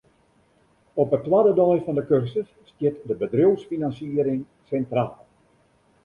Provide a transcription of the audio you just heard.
Op 'e twadde dei fan 'e kursus stiet de bedriuwsfinansiering sintraal.